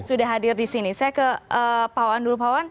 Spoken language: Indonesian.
sudah hadir di sini saya ke pak wawan dulu pak wawan